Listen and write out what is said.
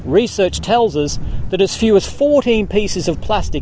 pembelajaran menunjukkan bahwa sebagian kecil empat belas potongan plastik